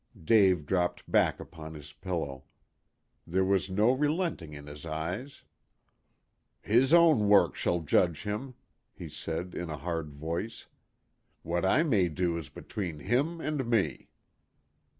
Dave dropped back upon his pillow. There was no relenting in his eyes. "His own work shall judge him," he said in a hard voice. "What I may do is between him and me."